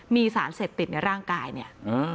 มีสารเสพติดในร่างกายเนี่ย